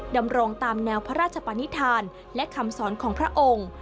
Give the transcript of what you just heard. ดำรงตามแนวพระราชปนิษฐานและคำสอนของพระองค์